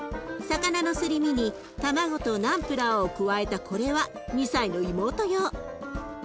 魚のすり身に卵とナンプラーを加えたこれは２歳の妹用。